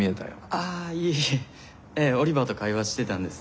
ああいえいえええオリバーと会話してたんです。